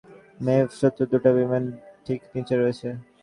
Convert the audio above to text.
ম্যাভ, শত্রুর দুটো বিমান, ঠিক নিচে রয়েছে।